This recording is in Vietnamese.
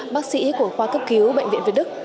bác sĩ của khoa cấp cứu bệnh viện việt đức